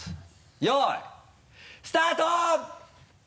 よいスタート！